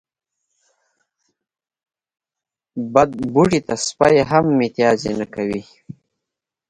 بد بوټي ته سپي هم متازې نه کوی.